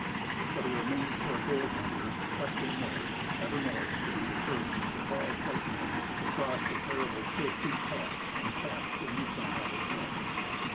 But it remained for a gold hunter, questing north, ever north, to be first of all white men to cross the terrible Chilcoot Pass, and tap the Yukon at its head.